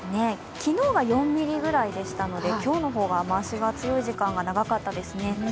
昨日は４ミリぐらいでしたので今日の方が雨足が強い時間が名がたったですね。